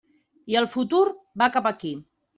I el futur va cap aquí.